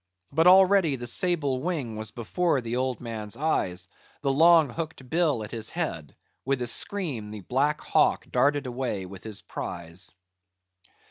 But already the sable wing was before the old man's eyes; the long hooked bill at his head: with a scream, the black hawk darted away with his prize.